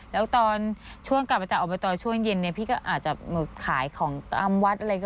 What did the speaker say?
แล้วตอนช่วงกลับมาจากอบตช่วงเย็นพี่ก็อาจจะขายของตามวัดอะไรก็